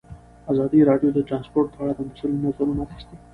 ازادي راډیو د ترانسپورټ په اړه د مسؤلینو نظرونه اخیستي.